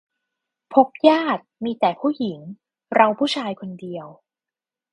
พบญาติ มีแต่ผู้หญิง เราผู้ชายคนเดียว